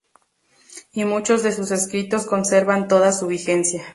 Y muchos de sus escritos conservan toda su vigencia.